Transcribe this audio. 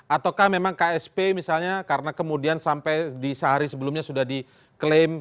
ataukah memang ksp misalnya karena kemudian sampai di sehari sebelumnya sudah diklaim